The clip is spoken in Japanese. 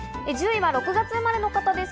１０位は６月生まれの方です。